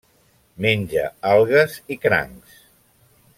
Menja algues i crancs.